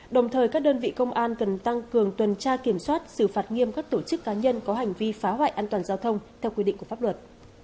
đồng thời các đơn vị công an cần tăng cường tuần tra kiểm soát xử phạt nghiêm các tổ chức cá nhân có hành vi phá hoại an toàn giao thông theo quy định của pháp luật